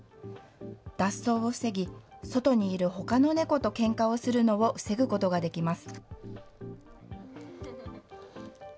脱走を防ぎ、外にいるほかの猫とけんかをするのを防ぐことができます。